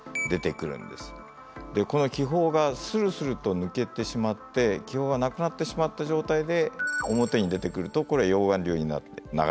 この気泡がスルスルと抜けてしまって気泡がなくなってしまった状態で表に出てくるとこれ溶岩流になって流れ出してしまう。